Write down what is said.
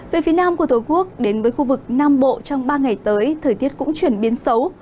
về phía nam của thổi quốc đến với khu vực nam bộ trong ba ngày tới thời tiết cũng chuyển biến xấu